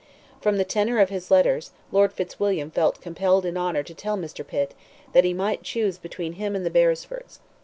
From the tenor of his letters, Lord Fitzwilliam felt compelled in honour to tell Mr. Pitt, that he might choose between him and the Beresfords.